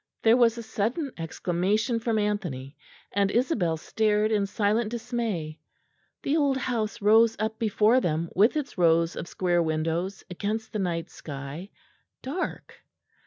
There was a sudden exclamation from Anthony; and Isabel stared in silent dismay. The old house rose up before them with its rows of square windows against the night sky, dark.